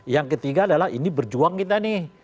yang ketiga adalah ini berjuang kita nih